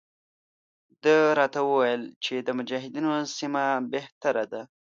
ده راته وویل چې د مجاهدینو سیمه بهتره ده.